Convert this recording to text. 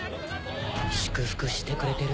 祝福してくれてる。